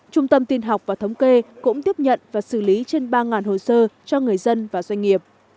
trung tâm tin học và thống kê cũng tiếp nhận và xử lý trên ba hồ sơ cho người dân và doanh nghiệp